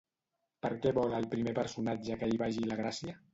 Per què vol el primer personatge que hi vagi la Gràcia?